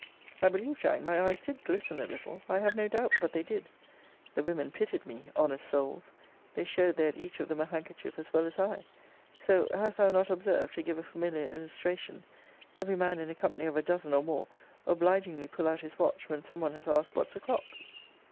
I believe, Jack, my eyes did glisten a little. I have no doubt but they did. The women pitied me honest souls! They showed they had each of them a handkerchief as well as I. So, has thou not observed (to give a familiar illustration,) every man in a company of a dozen, or more, obligingly pull out his watch, when some one has asked what's o'clock?